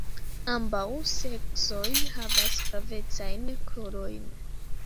Ambaŭ seksoj havas flavecajn krurojn.